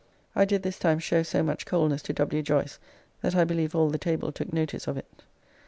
I did this time show so much coldness to W. Joyce that I believe all the table took notice of it.